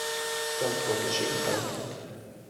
D tameṭṭut icebḥen.